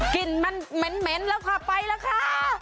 กินมันมันมันแล้วคือไปแล้วค่ะ